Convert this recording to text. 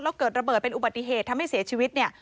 แล้วเกิดระเบิดเป็นอุบัติเหตุทำให้เสียชีวิตเนี่ย